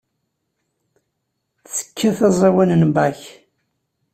Tekkat aẓawan n Bach.